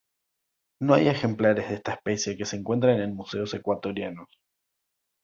No hay ejemplares de esta especie que se encuentren en museos ecuatorianos.